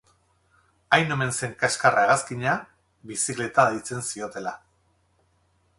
Hain omen zen kaskarra hegazkina bizikleta deitzen ziotela.